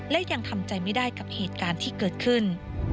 และยังทำใจไม่ได้กับเหตุการณ์ที่เกิดขึ้น